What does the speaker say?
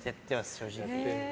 正直。